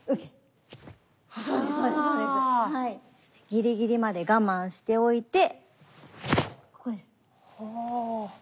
ギリギリまで我慢しておいてここです。